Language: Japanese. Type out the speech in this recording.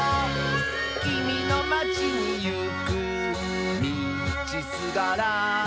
「きみのまちにいくみちすがら」